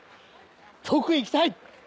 遠くへ行きたい！